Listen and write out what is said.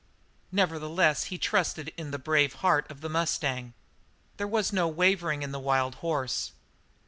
Nevertheless he trusted in the brave heart of the mustang. There was no wavering in the wild horse.